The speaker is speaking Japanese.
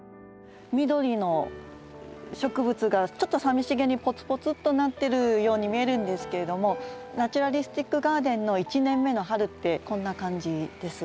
緑の植物がちょっとさみしげにポツポツとなってるように見えるんですけれどもナチュラリスティック・ガーデンの１年目の春ってこんな感じです。